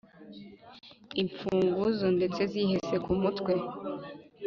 Imfunguzo ndende zihese ku mutwe